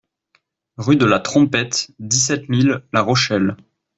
Rue DE LA TROMPETTE, dix-sept mille La Rochelle